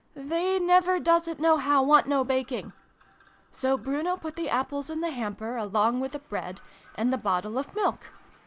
"' They never doesn't nohow want no baking.' So Bruno put the Apples in the hamper, along with the Bread, and the bottle of Milk.